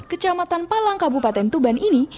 kecamatan palang kabupaten tuban ini